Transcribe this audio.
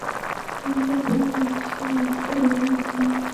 今嘉义县竹崎乡。